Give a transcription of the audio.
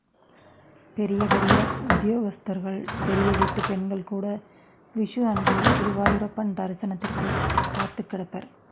பெரிய பெரிய உத்தியோகஸ்தர்கள், பெரிய வீட்டுப் பெண்கள் கூட விஷு அன்று குருவாயூரப்பன் தரிசனத்திற்குக் காத்துக் கிடப்பர்.